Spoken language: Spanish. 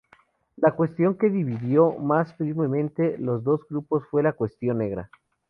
La cuestión que dividió más firmemente los dos grupos fue la "cuestión negra.